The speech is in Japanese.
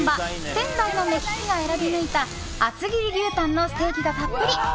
仙台の目利きが選び抜いた厚切り牛タンのステーキがたっぷり！